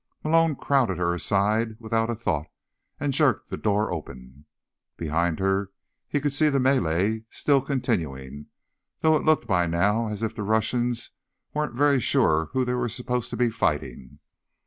Malone crowded her aside without a thought and jerked the door open. Behind her he could see the melee still continuing, though it looked by now as if the Russians weren't very sure who they were supposed to be fighting.